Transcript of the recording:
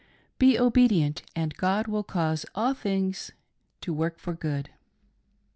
Be obedient, and God will cause all things to work for good."